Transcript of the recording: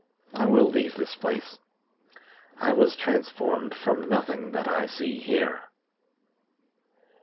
I will leave this place. I was transformed from nothing that I see here."